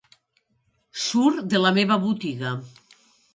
Surt de la meva botiga.